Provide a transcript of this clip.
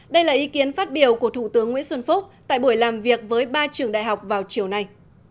đây là ý kiến phát biểu của thủ tướng nguyễn xuân phúc tại buổi làm việc với ba trường đại học vào chiều nay